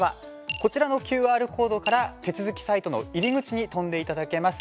こちらのＱＲコードから手続きサイトの入り口に飛んでいただけます。